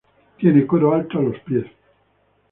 Tiene coro alto a los pies.